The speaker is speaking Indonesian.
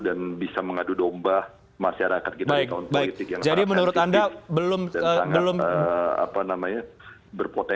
dan bisa mengadu domba masyarakat kita di tahun politik yang sangat sensitif